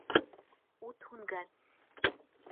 Ут һүнгән